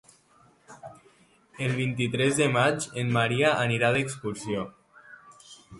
El vint-i-tres de maig en Maria anirà d'excursió.